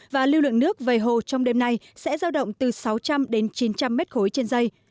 và lưu lượng nước về hồ trong đêm nay sẽ giao động từ sáu trăm linh chín trăm linh m ba trên giây